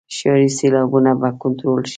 ښاري سیلابونه به کنټرول شي.